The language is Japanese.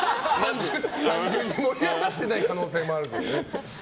単純に盛り上がってない可能性もあるね。